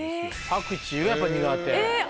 パクチーがやっぱ苦手。